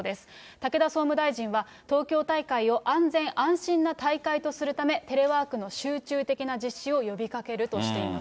武田総務大臣は、東京大会を安全安心な大会とするため、テレワークの集中的な実施を呼びかけるとしています。